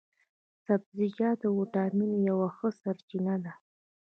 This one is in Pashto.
سبزیجات د ویټامینو یوه ښه سرچينه ده